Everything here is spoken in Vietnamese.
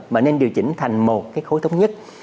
mà nên điều chỉnh thành một cái khối thống nhất